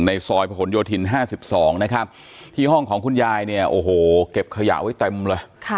ซอยผนโยธิน๕๒นะครับที่ห้องของคุณยายเนี่ยโอ้โหเก็บขยะไว้เต็มเลย